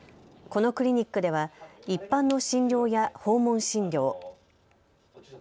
このクリニックでは一般の診療や訪問診療。